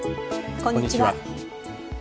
こんにちは。